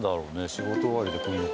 仕事終わりで来るのかな？